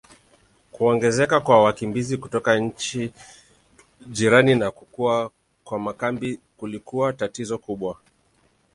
Kuongezeka kwa wakimbizi kutoka nchi jirani na kukua kwa makambi kulikuwa tatizo kubwa.